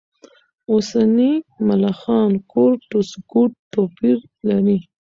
اوسني ملخان کورټ و سکوټ توپیر لري.